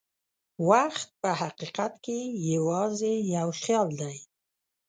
وخت په حقیقت کې یوازې یو خیال دی.